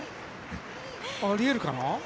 あり得るかな？